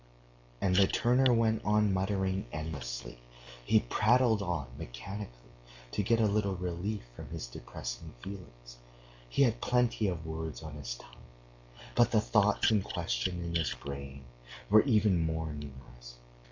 And the turner went on muttering endlessly. He prattled on mechanically to get a little relief from his depressing feelings. He had plenty of words on his tongue, but the thoughts and questions in his brain were even more numerous.